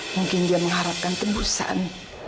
mungkin dia mengharapkan kebusan